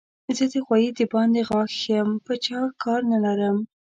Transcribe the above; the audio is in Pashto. زه د غوايي د باندې غاښ يم؛ په چا کار نه لرم.